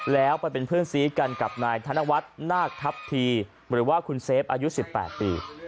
แล้วไปเป็นเพื่อนซีกันกับนายธนวัฒน์นาคทัพพีหรือว่าคุณเซฟอายุ๑๘ปี